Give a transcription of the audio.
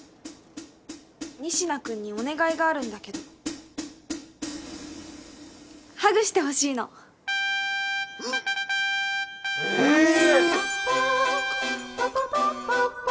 仁科君にお願いがあるんだけどハグしてほしいのええー？